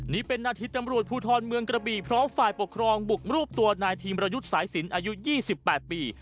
นี่เป็นนาทีตำรวจภูทรเมืองกระบีพร้อมฝ่ายปกครองบุกรูปตัวนายทีมรยุทธ์สายสินอายุ๒๘ปี